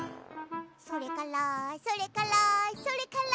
「それからそれからそれから」